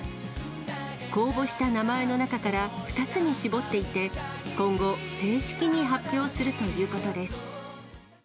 公募した名前の中から２つに絞っていて、今後、正式に発表するということです。